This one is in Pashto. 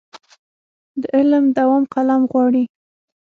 د علم دوام قلم غواړي.